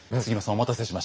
お待たせしました。